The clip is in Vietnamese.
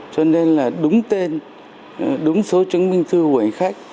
cho nên là đúng tên đúng số chứng minh thư của khách